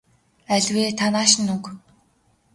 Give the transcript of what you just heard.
Аль вэ та нааш нь өг.